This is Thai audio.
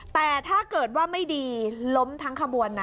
แต่ถ้าเกิดว่าไม่ดีล้มทั้งขบวนนะ